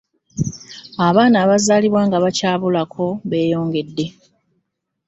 Abaana abazalibwa nga bakyabulako beyongedde.